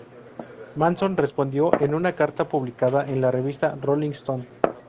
Manson respondió en una carta publicada en la revista Rolling Stone.